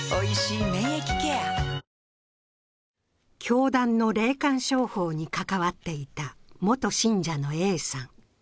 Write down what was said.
教団の霊感商法に関わっていた元信者のＡさん。